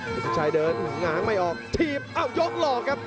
มีไม่กินงานไม่ออกทีบยกหลอกครับ